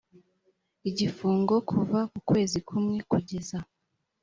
igifungo kuva ku kwezi kumwe kugeza